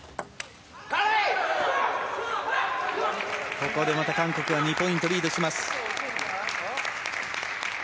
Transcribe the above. ここでまた韓国が２ポイントリードします。